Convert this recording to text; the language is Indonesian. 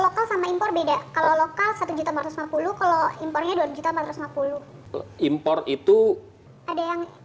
lokal sama impor beda kalau lokal satu kalau impornya dua empat ratus lima puluh impor itu ada yang